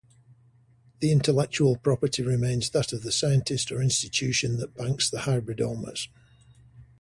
The intellectual property remains that of the scientist or institution that banks the hybridomas.